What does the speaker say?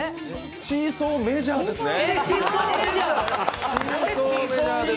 チーソーメジャーですね。